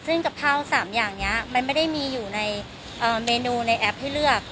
ซึ่งกับข้าว๓อย่างนี้มันไม่ได้มีอยู่ในเมนูในแอปให้เลือก